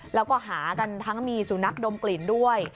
แล้วก็หากันทั้งมีสุนัขดมกลิ่นด้วย